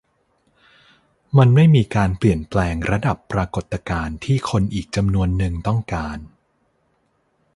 มันไม่มีการเปลี่ยนแปลงระดับปรากฏการณ์ที่คนอีกจำนวนนึงต้องการ